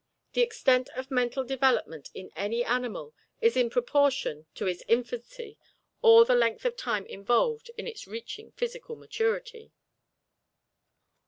The extent of mental development in any animal is in proportion to its infancy or the length of time involved in its reaching physical maturity.